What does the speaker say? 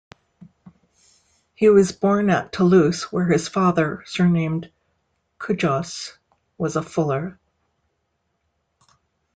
He was born at Toulouse, where his father, surnamed Cujaus, was a fuller.